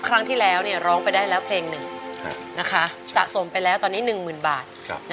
ครั้งที่แล้วร้องไปได้แล้วเพลงหนึ่งสะสมไปแล้วตอนนี้๑๐๐๐บาท